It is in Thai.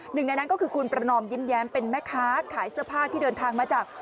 หนึ่งในนั้นก็คือคุณประนอมยิ้มแย้มเป็นแม่ค้าขายเสื้อผ้าที่เดินทางมาจาก